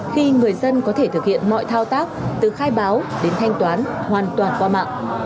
khi người dân có thể thực hiện mọi thao tác từ khai báo đến thanh toán hoàn toàn qua mạng